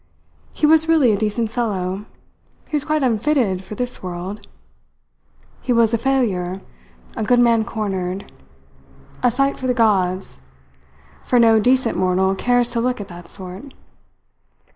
He was really a decent fellow, he was quite unfitted for this world, he was a failure, a good man cornered a sight for the gods; for no decent mortal cares to look at that sort."